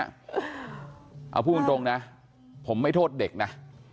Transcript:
เอาพูดตรงนะผมไม่โทษเด็กนะ